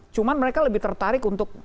cuma mereka lebih tertarik untuk